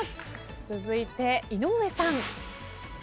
続いて井上さん。